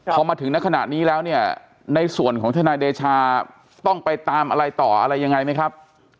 พอมาถึงในขณะนี้แล้วเนี่ยในส่วนของทนายเดชาต้องไปตามอะไรต่ออะไรยังไงไหมครับ